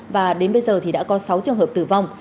và đến bây giờ thì đã có sáu trường hợp tử vong